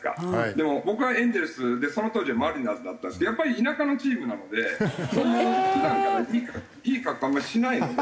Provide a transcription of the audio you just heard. でも僕はエンゼルスでその当時はマリナーズだったんですけどやっぱり田舎のチームなのでそういう普段からいい格好あんまりしないので。